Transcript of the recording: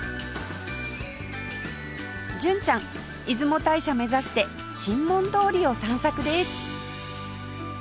純ちゃん出雲大社目指して神門通りを散策です